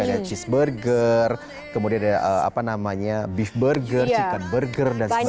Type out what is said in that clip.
ada cheese burger kemudian ada apa namanya beef burger chicken burger dan sebagainya